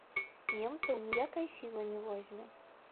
Немцаў ніякая сіла не возьме.